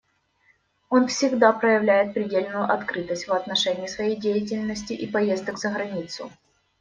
Он всегда проявляет предельную открытость в отношении своей деятельности и поездок за границу.